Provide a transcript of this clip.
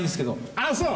あっそう。